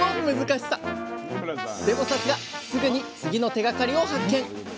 でもさすがすぐに次の手がかりを発見！